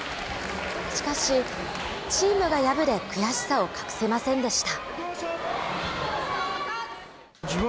しかし、チームが敗れ、悔しさを隠せませんでした。